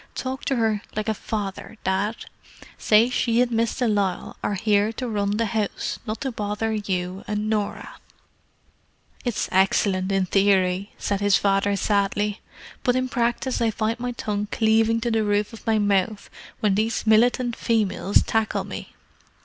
Talk to her like a father, Dad—say she and Miss de Lisle are here to run the house, not to bother you and Norah." "It's excellent in theory," said his father sadly, "but in practice I find my tongue cleaving to the roof of my mouth when these militant females tackle me.